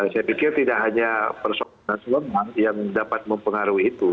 saya pikir tidak hanya personal yang dapat mempengaruhi itu